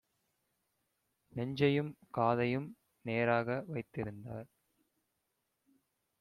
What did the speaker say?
நெஞ்சையும் காதையும் நேராக வைத்திருந்தார்: